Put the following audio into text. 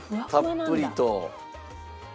たっぷりと。